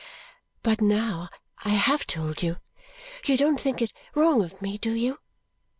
"But now I have told you, you don't think it wrong of me, do you?"